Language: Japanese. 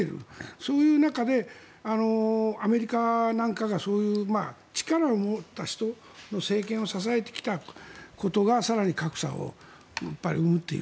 そういう中でアメリカなんかが力を持った人の政権を支えてきたことが更に格差を生むという。